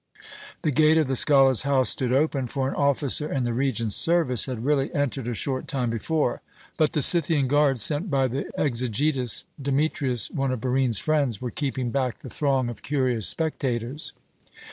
The gate of the scholar's house stood open, for an officer in the Regent's service had really entered a short time before, but the Scythian guards sent by the exegetus Demetrius, one of Barine's friends, were keeping back the throng of curious spectators.